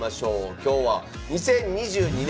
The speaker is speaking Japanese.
今日は２０２２年